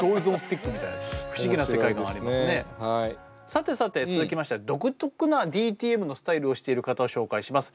さてさて続きましては独特なＤＴＭのスタイルをしている方を紹介します。